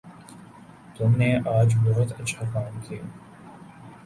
تم نے آج بہت اچھا کام کیا